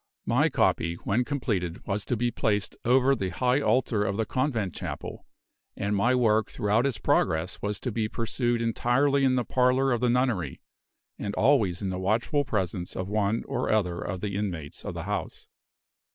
My copy, when completed, was to be placed over the high altar of the convent chapel; and my work throughout its progress was to be pursued entirely in the parlor of the nunnery, and always in the watchful presence of one or other of the inmates of the house.